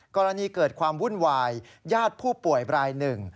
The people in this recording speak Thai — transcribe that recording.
คราวนี้เกิดความวุ่นวายยาดผู้ป่วยแปลหนึ่ง